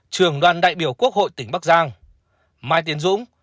trường đoàn đại biểu quốc hội tỉnh bắc giang mai tiến dũng